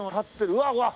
うわうわっ！